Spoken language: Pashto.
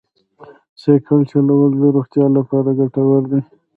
سایکل چلول د روغتیا لپاره ګټور دی.